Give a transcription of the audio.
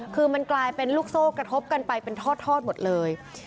คือมันกลายเป็นลูกโซ่กระทบกันไปเป็นทอดหมดเลย